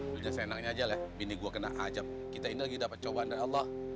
bisa senangnya aja lah bini gua kena azab kita ini lagi dapat jawaban dari allah